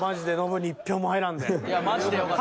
マジでよかった。